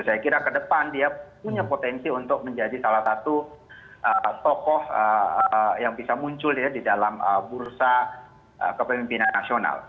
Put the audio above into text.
saya kira ke depan dia punya potensi untuk menjadi salah satu tokoh yang bisa muncul ya di dalam bursa kepemimpinan nasional